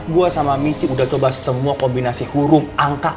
gue sama michi udah coba semua kombinasi huruf angka